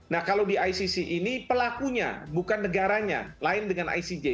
nah kalau di icc ini pelakunya bukan negaranya lain dengan icj